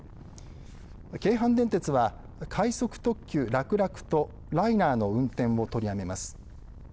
京阪電鉄は快速特急、洛楽とライナーの運転を取りやめます。